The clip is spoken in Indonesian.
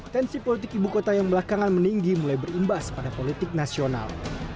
tensi politik ibu kota yang belakangan meninggi mulai berimbas pada politik nasional